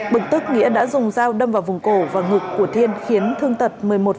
bực tức nghĩa đã dùng dao đâm vào vùng cổ và ngực của thiên khiến thương tật một mươi một